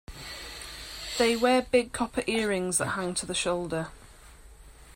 They wear big copper earrings that hang to the shoulder.